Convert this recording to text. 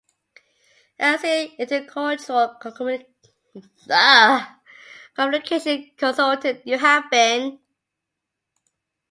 As an intercultural communication consultant, you have been